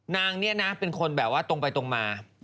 นางเนี่ยนะเป็นคนแบบว่าตรงไปตรงมา